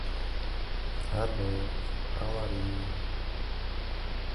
Lambert presided over the House of Commons during a tenuous minority government situation.